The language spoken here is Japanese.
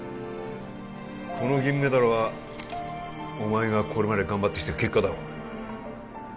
この銀メダルはお前がこれまで頑張ってきた結果だろ